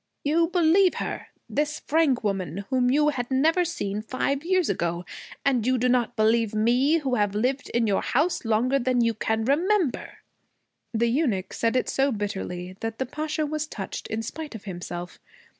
'You believe her, this Frank woman whom you had never seen five years ago, and you do not believe me who have lived in your house longer than you can remember!' The eunuch said it so bitterly that the Pasha was touched in spite of himself.